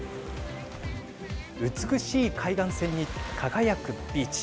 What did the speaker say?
美しい海岸線に輝くビーチ。